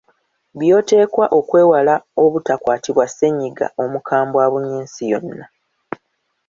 By’oteekwa okwewala obutakwatibwa ssennyiga omukambwe abunye ensi yonna.